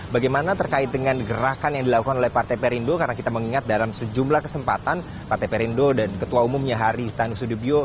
bagaimana terkait dengan gerakan yang dilakukan oleh partai perindo karena kita mengingat dalam sejumlah kesempatan partai perindo dan ketua umumnya hari stanu sudibyo